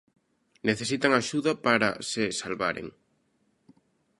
Necesitan axuda para se salvaren.